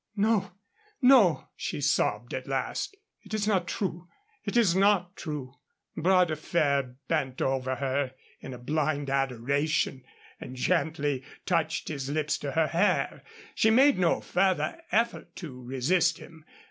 "No, no," she sobbed at last, "it is not true. It is not true." Bras de Fer bent over her in a blind adoration and gently touched his lips to her hair. She made no further effort to resist him.